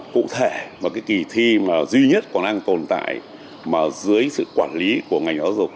cụ thể là cái kỳ thi mà duy nhất còn đang tồn tại mà dưới sự quản lý của ngành giáo dục